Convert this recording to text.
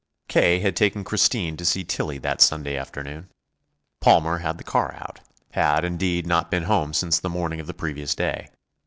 K. had taken Christine to see Tillie that Sunday afternoon. Palmer had the car out had, indeed, not been home since the morning of the previous day.